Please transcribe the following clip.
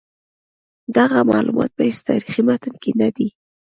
دغه معلومات په هیڅ تاریخي متن کې نه دي.